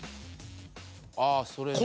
あぁそれね。